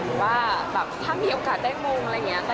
หรือว่าแบบถ้ามีโอกาสได้มงอะไรอย่างนี้